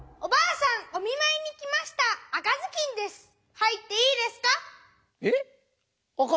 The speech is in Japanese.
はいっていいですか？